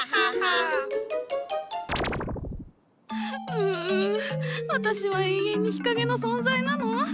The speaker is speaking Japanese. うう私は永遠に日陰の存在なの？